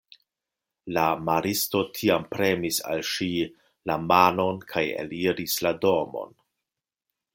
La maristo tiam premis al ŝi la manon kaj eliris la domon.